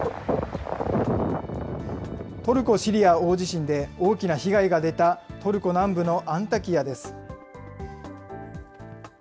トルコ・シリア大地震で大きな被害が出た、トルコ南部のアンタキヤです。